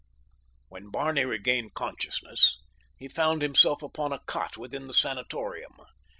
When Barney regained consciousness he found himself upon a cot within the sanatorium.